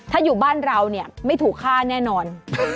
ถ้าอยู่บ้านเราเนี่ยไม่ถูกฆ่าแน่นอน